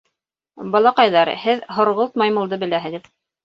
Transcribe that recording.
Балаҡайҙар, һеҙ һорғолт маймылды беләһегеҙ.